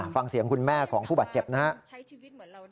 ฟังเสียงคุณแม่ของผู้บาดเจ็บนะฮะ